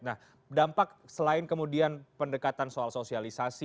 nah dampak selain kemudian pendekatan soal sosialisasi